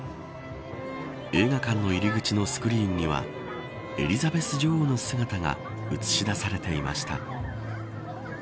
映画館の入り口のスクリーンにはエリザベス女王の姿が映し出されていました。